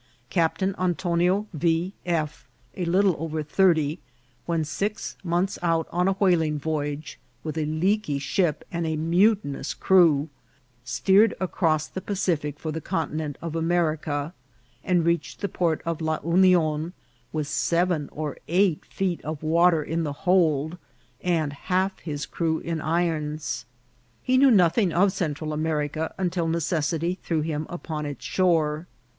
Cap tain Antonio V. F., a little over thirty, when six months out on a whaling voyage, with a leaky ship and a mutinous crew, steered across the Pacific for the Continent of America, and reached the port of La Union with seven or eight feet water in the hold and half his crew in irons. He knew nothing of Central America until necessity threw him upon its shore.